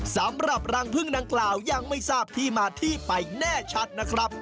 สำหรับรังพึ่งดังกล่าวยังไม่ทราบที่มาที่ไปแน่ชัดนะครับ